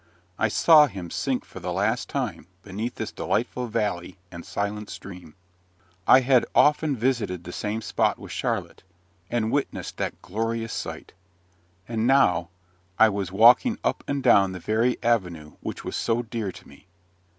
I saw him sink for the last time beneath this delightful valley and silent stream. I had often visited the same spot with Charlotte, and witnessed that glorious sight; and now I was walking up and down the very avenue which was so dear to me.